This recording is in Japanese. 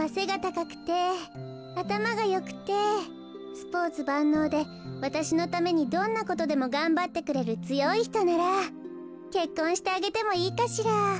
かくてあたまがよくてスポーツばんのうでわたしのためにどんなことでもがんばってくれるつよいひとならけっこんしてあげてもいいかしら。